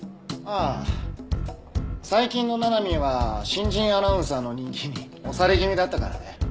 ああ最近のななみーは新人アナウンサーの人気に押され気味だったからね。